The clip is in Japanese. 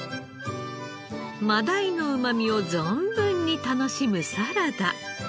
真鯛のうまみを存分に楽しむサラダ。